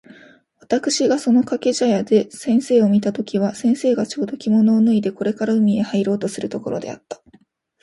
私（わたくし）がその掛茶屋で先生を見た時は、先生がちょうど着物を脱いでこれから海へ入ろうとするところであった。